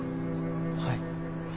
はい。